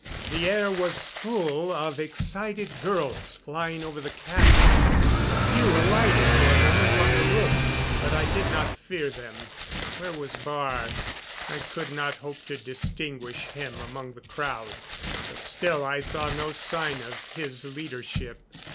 The air was full of excited girls flying over the castle. A few alighted for a moment on the roof, but I did not fear them. Where was Baar? I could not hope to distinguish him among the crowd, but still I saw no sign of his leadership.